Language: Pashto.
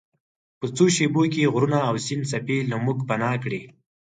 په څو شیبو کې یې غرونه او د سیند څپې له موږ پناه کړې.